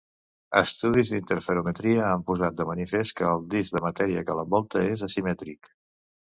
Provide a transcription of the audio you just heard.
Estudis d'interferometria han posat de manifest que el disc de matèria que l'envolta és asimètric.